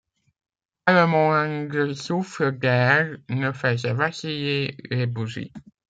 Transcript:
Pas le moindre souffle d’air ne faisait vaciller les bougies.